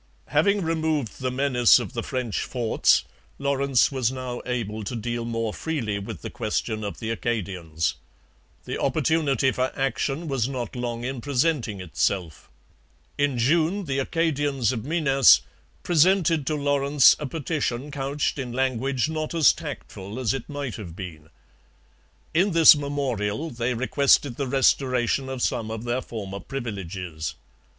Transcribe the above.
Having removed the menace of the French forts, Lawrence was now able to deal more freely with the question of the Acadians. The opportunity for action was not long in presenting itself. In June the Acadians of Minas presented to Lawrence a petition couched in language not as tactful as it might have been. In this memorial they requested the restoration of some of their former privileges.